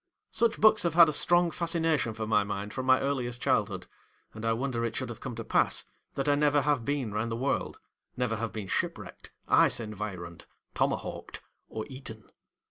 Such books have had a strong fascination for my mind from my earliest childhood; and I wonder it should have come to pass that I never have been round the world, never have been shipwrecked, ice environed, tomahawked, or eaten.